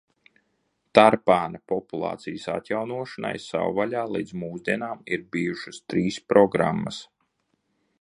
Tarpāna populācijas atjaunošanai savvaļā līdz mūsdienām ir bijušas trīs programas.